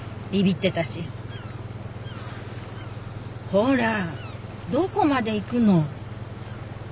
ほらどこまで行くの？